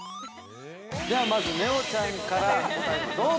◆ではまず、ねおちゃんから答えをどうぞ！